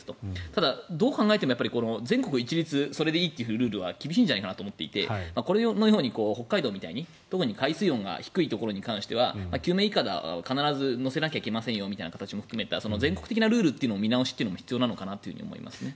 ただどう考えても全国一律それでいいというルールは厳しいんじゃないかなと思っていてこのように北海道みたいに、特に海水温が低いところに関しては救命いかだを必ず乗せなきゃいけませんよみたいな全国的なルールの見直しというのも必要なのかなと思いますね。